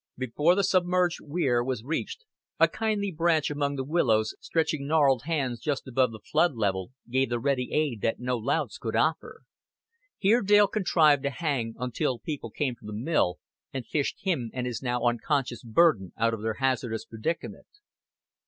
Before the submerged weir was reached a kindly branch among the willows, stretching gnarled hands just above the flood level, gave the ready aid that no louts could offer. Here Dale contrived to hang until people came from the mill and fished him and his now unconscious burden out of their hazardous predicament.